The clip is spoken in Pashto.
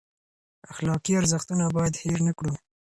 اخلاقي ارزښتونه باید هیر نه کړو.